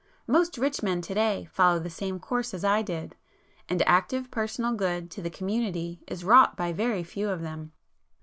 Most rich men to day follow the same course as [p 248] I did,—and active personal good to the community is wrought by very few of them.